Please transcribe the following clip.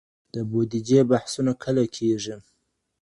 د بودیجي بحثونه کله کیږي؟